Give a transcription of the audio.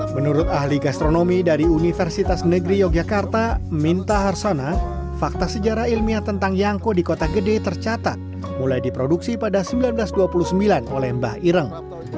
menurut ahli gastronomi dari universitas negeri yogyakarta minta harsona fakta sejarah ilmiah tentang yangko di kota gede tercatat mulai diproduksi pada seribu sembilan ratus dua puluh sembilan oleh mbah ireng